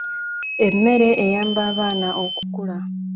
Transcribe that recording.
Emmere eyamba abaana okukula.